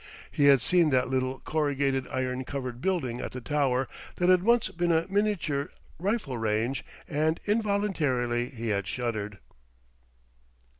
He had seen that little corrugated iron covered building at the Tower that had once been a miniature rifle range and, involuntarily, he had shuddered.